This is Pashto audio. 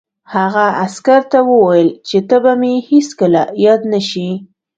هغه عسکر ته وویل چې ته به مې هېڅکله یاد نه شې